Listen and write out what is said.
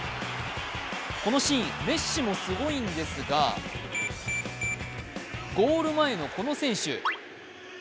このシーン、メッシもすごいんですがゴール前のこの選手。